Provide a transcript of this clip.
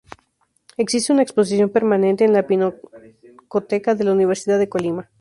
Existe una exposición permanente en la Pinacoteca de la Universidad de Colima.